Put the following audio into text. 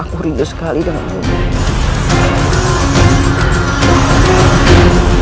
aku rindu sekali denganmu